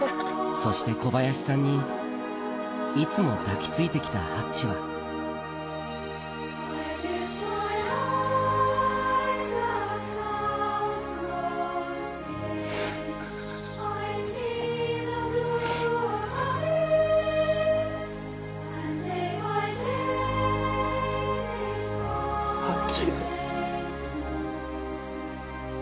そして小林さんにいつも抱きついて来たハッチはハッチ。